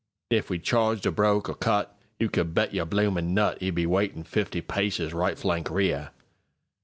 If we charged or broke or cut, You could bet your bloomin' nut,'E'd be waitin' fifty paces right flank rear.